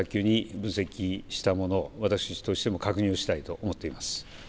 早急に分析をしたもの、私としても確認をしたいと思っています。